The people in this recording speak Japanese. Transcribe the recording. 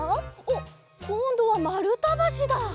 おっこんどはまるたばしだ。